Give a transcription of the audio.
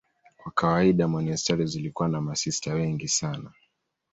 Kwa kawaida monasteri zilikuwa na masista wengi sana.